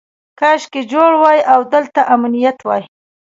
کاشکې جوړ وای او دلته امنیت وای.